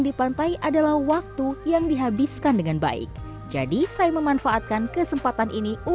di pantai adalah waktu yang dihabiskan dengan baik jadi saya memanfaatkan kesempatan ini untuk